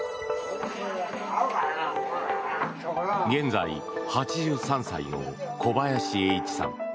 現在８３歳の小林栄一さん。